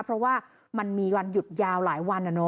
เพราะว่ามันมีวันหยุดยาวหลายวัน